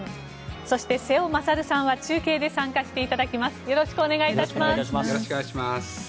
そして、瀬尾傑さんは中継で参加していただきます。